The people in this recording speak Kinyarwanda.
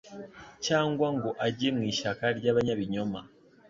cyangwa ngo ajye mu ishyaka ry’abanyabinyoma